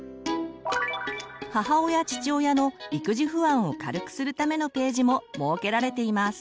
母親父親の育児不安を軽くするためのページも設けられています。